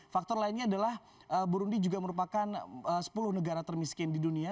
faktor lainnya adalah burundi juga merupakan sepuluh negara termiskin di dunia